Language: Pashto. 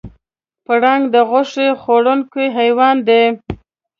پړانګ د غوښې خوړونکی حیوان دی.